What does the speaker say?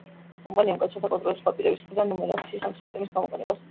კომპანია მკაცრად აკონტროლებს სხვა პირების მხრიდან ნუმერაციის ამ სისტემის გამოყენებას.